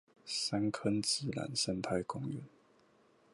三坑自然生態公園